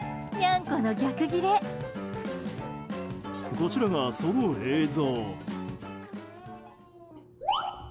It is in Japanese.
こちらが、その映像。